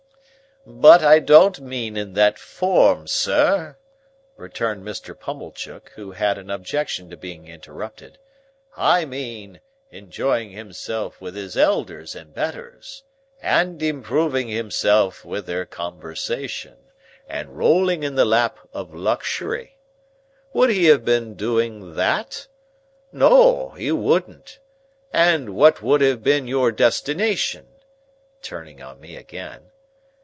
"But I don't mean in that form, sir," returned Mr. Pumblechook, who had an objection to being interrupted; "I mean, enjoying himself with his elders and betters, and improving himself with their conversation, and rolling in the lap of luxury. Would he have been doing that? No, he wouldn't. And what would have been your destination?" turning on me again.